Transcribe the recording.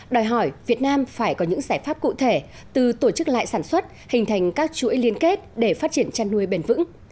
đòi hỏi việt nam phải có những giải pháp cụ thể từ tổ chức lại sản xuất hình thành các chuỗi liên kết để phát triển chăn nuôi bền vững